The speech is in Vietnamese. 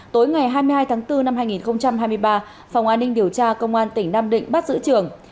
tối ngày hai mươi hai tháng bốn năm hai nghìn hai mươi ba phòng an ninh điều tra công an tỉnh nam định bắt giữ trường